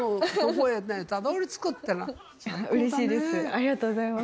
ありがとうございます。